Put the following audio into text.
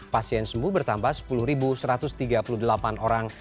pasien sembuh bertambah sepuluh satu ratus tiga puluh delapan orang